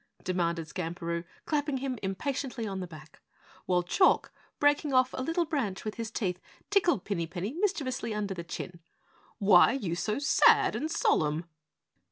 demanded Skamperoo, clapping him impatiently on the back, while Chalk, breaking off a little branch with his teeth, tickled Pinny Penny mischievously under the chin. "Why are you so sad and solemn?"